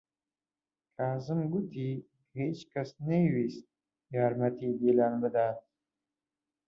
کازم گوتی کە هیچ کەس نەیویست یارمەتیی دیلان بدات.